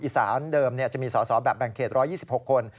สารเดิมจะมีสอสอแบบแบ่งเขต๑๒๖คน